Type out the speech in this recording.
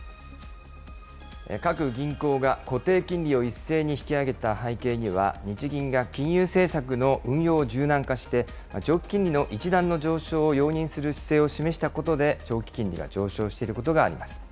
各銀行が固定金利を一斉に引き上げた背景には、日銀が金融政策の運用を柔軟化して、長期金利の一段の上昇を容認する姿勢を示したことで、長期金利が上昇していることがあります。